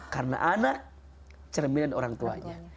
karena anak cerminan orang tuanya